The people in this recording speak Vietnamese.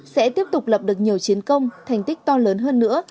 sẽ tiếp tục lập được nhiều chiến công thành tích to lớn hơn nữa